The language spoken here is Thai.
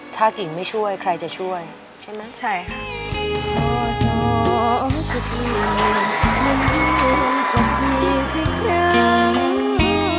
ถ้ากิ่งไม่ช่วยใครจะช่วยใช่ไหม